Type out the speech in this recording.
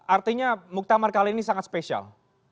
artinya muktamar kali ini sangat spesial